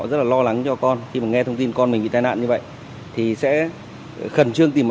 để xác nhận thông tin có phải con chó